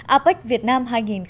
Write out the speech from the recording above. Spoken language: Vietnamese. apec việt nam hai nghìn hai mươi